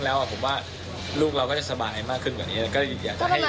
และน่าวิจัยกันที่จะได้เครียมกับครอบครัภาพ